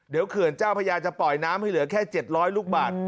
เดี๋ยวเขื่อนเจ้าพระยาจะปล่อยน้ำให้เหลือแค่๗๐๐ลูกบาท